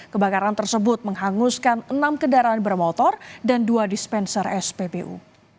kebakaran tersebut menghanguskan enam kendaraan bermotor dan dua dispenser spbu